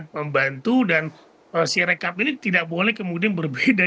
membantu dan si rekap ini tidak boleh kemudian berbeda